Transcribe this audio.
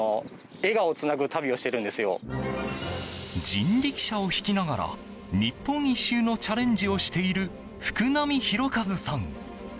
人力車を引きながら日本一周のチャレンジをしている福浪弘和さん。